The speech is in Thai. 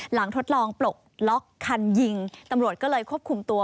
ทดลองปลดล็อกคันยิงตำรวจก็เลยควบคุมตัว